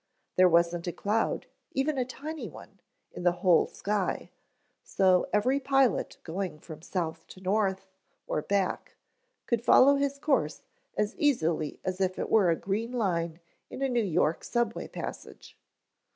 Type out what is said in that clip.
There wasn't a cloud, even a tiny one, in the whole sky, so every pilot going from south to north, or back, could follow his course as easily as if it were a green line in a New York subway passage.